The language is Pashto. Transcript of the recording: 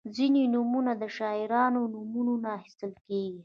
• ځینې نومونه د شاعرانو د نومونو نه اخیستل کیږي.